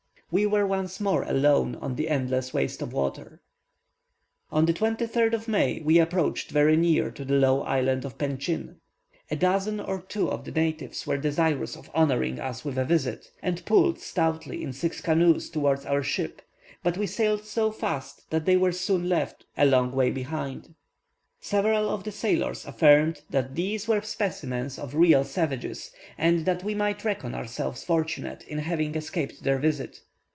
We were once more alone on the endless waste of waters. On the 23rd of May, we approached very near to the low island of Penchyn. A dozen or two of the natives were desirous of honouring us with a visit, and pulled stoutly in six canoes towards our ship, but we sailed so fast that they were soon left a long way behind. Several of the sailors affirmed, that these were specimens of real savages, and that we might reckon ourselves fortunate in having escaped their visit.